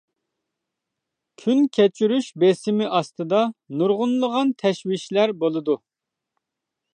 كۈن كەچۈرۈش بېسىمى ئاستىدا نۇرغۇنلىغان تەشۋىشلەر بولىدۇ.